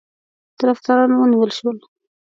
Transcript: طرفداران ونیول شول.